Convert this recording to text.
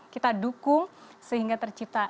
kita dukung sehingga tercipta